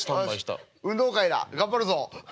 「よし運動会だ。頑張るぞ。